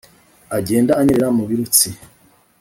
Agenda anyerera mu birutsi